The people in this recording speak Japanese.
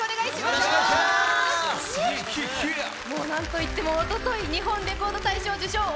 なんといってもおととい日本レコード大賞受賞